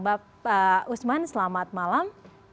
bapak usman selamat malam